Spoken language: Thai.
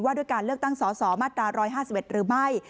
ด้วยการเลือกตั้งสสมาตรา๑๕๑หรือไม่